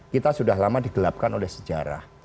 kita sudah lama digelapkan oleh sejarah